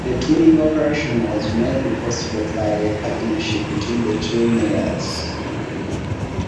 This twinning operation was made possible by the partnership between the two Mayors.